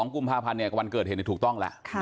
๒กุมภาพันธ์วันเกิดเหตุถูกต้องแล้ว